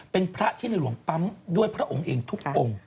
เป็นพระที่ในหลวงปั๊มด้วยพระองค์เองทุกองค์